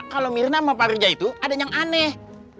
kalo mirna sama pak rizal itu ada yang aneh